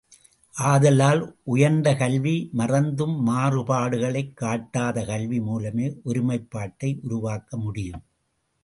ஆதலால் உயர்ந்த கல்வி மறந்தும் மாறுபாடுகளைக் காட்டாத கல்வி மூலமே ஒருமைப்பாட்டை உருவாக்க முடியும்.